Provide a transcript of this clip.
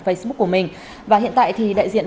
facebook của mình và hiện tại thì đại diện